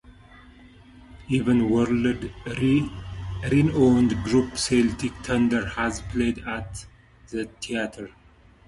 Even world-renowned group Celtic Thunder has played at the theater.